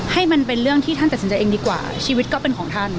ให้มันเป็นเรื่องที่ท่านตัดสินใจเองดีกว่าชีวิตก็เป็นของท่าน